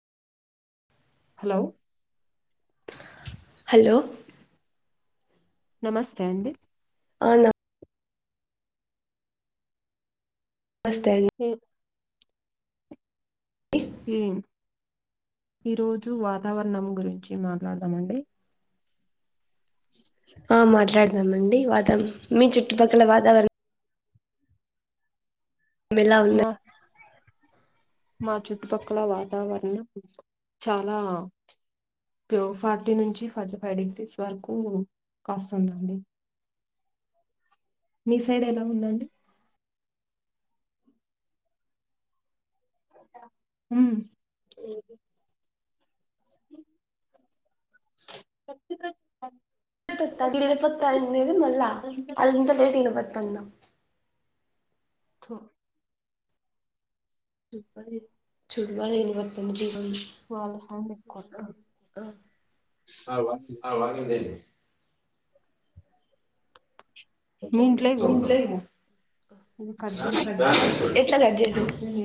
hello namaste అండి, అవునా నమస్తే అండి, ఈ ఈరోజు వాతావరణం గురించి మాట్లాడదామండి, ఆ మాట్లాడదామండి, ఇ వాతం మీ చుట్టుపక్కల వాతావరణం, మా మా చుట్టుపక్కల వాతావరణం చాలా ప్యూర్ ఫార్టీ నుంచి ఫార్టీ ఫైవ్ డిగ్రీస్ వరకు అవుతుందండి, మీ సైడ్ ఎలా ఉందండి, ఉహు [unintelligible] [unintelligible] తంధాం చెప్పండి ఫుట్బాల్ వినబడుతుంది, వావ్ చానా [inaudible] ఎట్లా ే